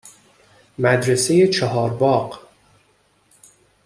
مدرسه چهارباغ